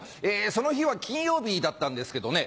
その日は金曜日だったんですけどね